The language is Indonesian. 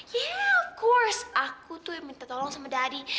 yeah of course aku tuh yang minta tolong sama daddy